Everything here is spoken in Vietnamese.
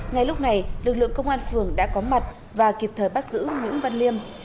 ngay lúc này lực lượng công an phường đã có mặt và kịp thời bắt giữ nguyễn văn liêm